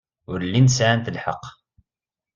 Ur llint sɛant lḥeqq.